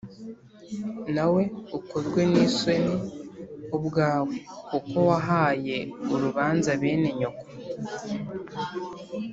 Nawe ukorwe n’isoni ubwawe kuko wahaye urubanza bene nyoko